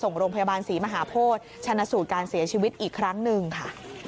ส่งโรงพยาบาลศรีมหาโพธิชนะสูตรการเสียชีวิตอีกครั้งหนึ่งค่ะ